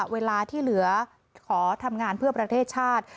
เวลาที่เหลือขอทำงานเพื่อประเทศชาติ